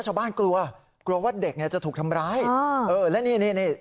ชาวบ้านกลัวกลัวว่าเด็กเนี้ยจะถูกทำร้ายอ่าเออแล้วนี่นี่นี่